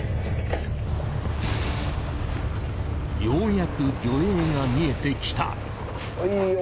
ようやく魚影が見えてきた。